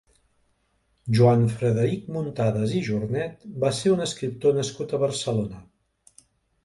Joan Frederic Muntadas i Jornet va ser un escriptor nascut a Barcelona.